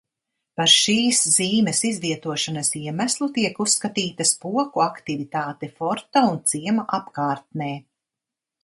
Par šīs zīmes izvietošanas iemeslu tiek uzskatīta spoku aktivitāte forta un ciema apkārtnē.